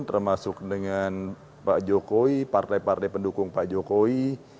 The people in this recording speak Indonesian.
termasuk dengan pak jokowi partai partai pendukung pak jokowi